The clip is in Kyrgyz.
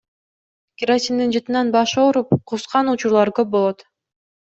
Керосиндин жытынан башы ооруп, кускан учурлары көп болот.